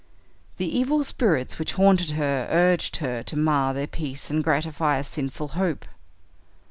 The evil spirits which haunted her urged her to mar their peace and gratify a sinful hope.